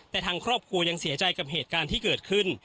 แต่ทางครอบครัวยังเสียใจกับเหตุการณ์ที่เกิดขึ้น